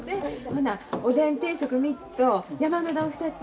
ほなおでん定食３つと山うな丼２つ